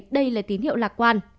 đây là tín hiệu lạc quan